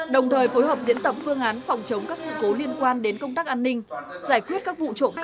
đồng thời phối hợp diễn tập phương án phòng chống các sự cố liên quan đến công tác